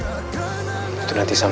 aku akan mencari kamu